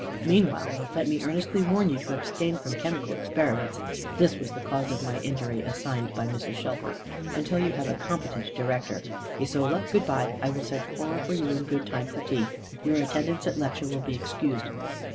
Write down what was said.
Meanwhile, let me earnestly warn you to abstain from chemical experiments" this was the cause of my injury assigned by Mrs. Shelfer "until you have a competent director. Isola, good bye. I will send Cora for you in good time for tea. Your attendance at lecture will be excused."